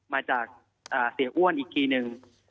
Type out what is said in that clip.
มาจากเสียอ้วนอีกทีนึง